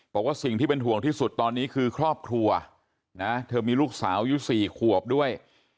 บอกว่าสิ่งที่เป็นห่วงที่สุดตอนนี้คือครอบครัวนะเธอมีลูกสาวอยู่๔ขวบด้วย